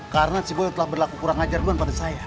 karena si boy telah berlaku kurang ajar doang pada saya